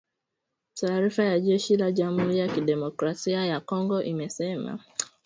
Taarifa ya jeshi la Jamhuri ya Kidemokrasia ya Kongo imesema